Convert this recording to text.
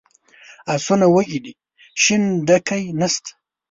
آسونه وږي دي شین ډکی نشته.